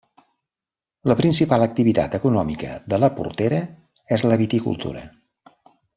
La principal activitat econòmica de la Portera és la viticultura.